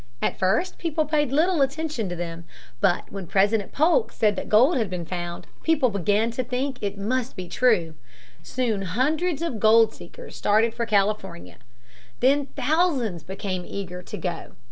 At first people paid little attention to them. But when President Polk said that gold had been found, people began to think that it must be true. Soon hundreds of gold seekers started for California. Then thousands became eager to go.